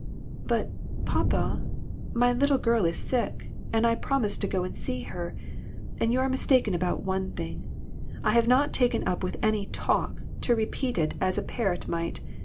" But, papa, my little girl is sick, and I promised to go and see her. And you are mistaken about one thing. I have not taken up with any ' talk ' to repeat it as a parrot might.